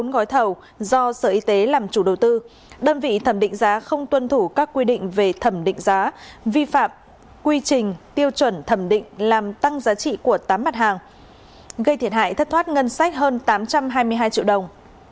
bốn gói thầu do sở y tế làm chủ đầu tư đơn vị thẩm định giá không tuân thủ các quy định về thẩm định giá vi phạm quy trình tiêu chuẩn thẩm định làm tăng giá trị của tám mặt hàng gây thiệt hại thất thoát ngân sách hơn tám trăm hai mươi hai triệu đồng